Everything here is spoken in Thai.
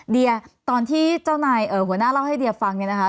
เดียตอนที่เจ้านายหัวหน้าเล่าให้เดียฟังเนี่ยนะคะ